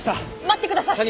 待ってください。